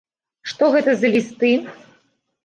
Што гэта за лісты?